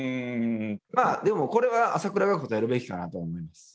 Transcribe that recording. まあでもこれは朝倉が答えるべきかなと思います。